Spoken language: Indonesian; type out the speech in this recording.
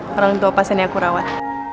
orang tua pas ini aku rawat